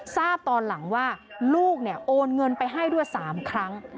ทราบตอนหลังว่าลูกโอนเงินไปให้ด้วย๓ครั้ง